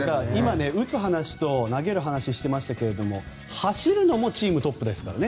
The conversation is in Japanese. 今、打つ話と投げる話をしていましたが走るのもチームトップですからね。